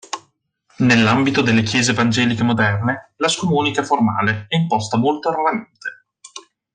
Nell'ambito delle Chiese evangeliche moderne la scomunica formale è imposta molto raramente.